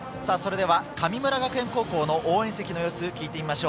神村学園高校の応援席の様子を聞いてみましょう。